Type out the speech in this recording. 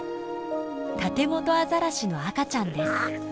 タテゴトアザラシの赤ちゃんです。